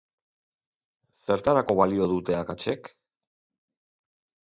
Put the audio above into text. Zertarako balio dute akatsek?